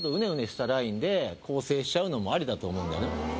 で構成しちゃうのもありだと思うんだよね。